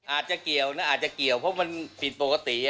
อาจจะเกี่ยวนะอาจจะเกี่ยวเพราะมันผิดปกติ